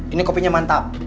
ini kopinya mantap